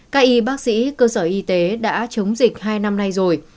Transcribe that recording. các y bác sĩ cơ sở y tế đã chống dịch hai năm nay rồi